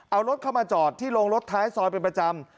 เอารถเข้ามาจอดที่โรงรถท้ายซอยเป็นประจำ